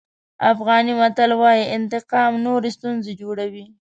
افغاني متل وایي انتقام نورې ستونزې جوړوي.